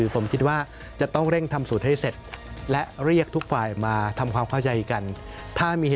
ผมว่าคนยอมรับได้